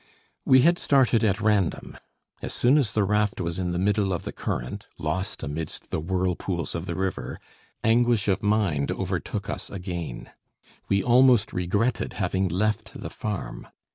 We had started at random. As soon as the raft was in the middle of the current, lost amidst the whirlpools of the river, anguish of mind overtook us again; we almost regretted having left the farm.